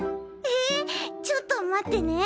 えっちょっと待ってね。